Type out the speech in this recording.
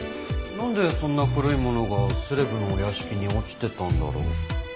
なんでそんな古いものがセレブのお屋敷に落ちてたんだろう？